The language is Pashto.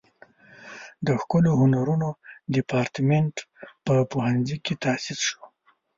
د ښکلو هنرونو دیپارتمنټ په پوهنځي کې تاسیس شو.